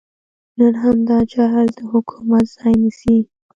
نن همدا جهل د حکمت ځای نیسي.